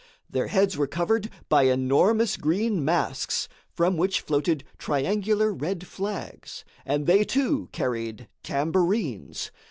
Their heads were covered by enormous green masks, from which floated triangular red flags, and they, too, carried tambourines.